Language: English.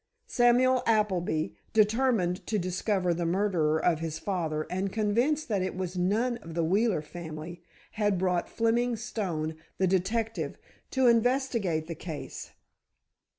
Samuel Appleby, determined to discover the murderer of his father and convinced that it was none of the Wheeler family, had brought Fleming Stone, the detective, to investigate the case.